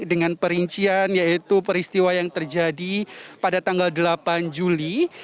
dengan perincian yaitu peristiwa yang terjadi pada tanggal delapan juli